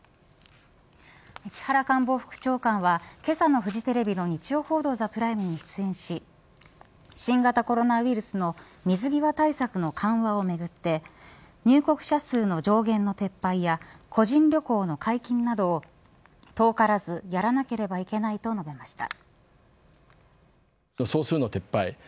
木原官房副長官はけさのフジテレビの日曜報道ＴＨＥＰＲＩＭＥに出演し新型コロナウイルスの水際対策の緩和をめぐって入国者数の上限の撤廃や個人旅行の解禁などを遠からずやらなければいけないと述べました。